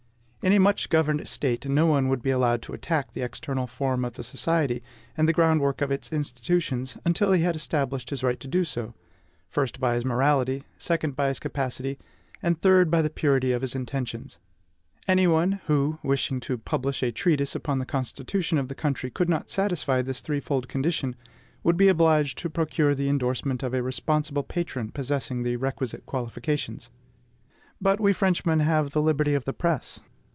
In a much governed State, no one would be allowed to attack the external form of the society, and the groundwork of its institutions, until he had established his right to do so, first, by his morality; second, by his capacity; and, third, by the purity of his intentions. Any one who, wishing to publish a treatise upon the constitution of the country, could not satisfy this threefold condition, would be obliged to procure the endorsement of a responsible patron possessing the requisite qualifications. But we Frenchmen have the liberty of the press.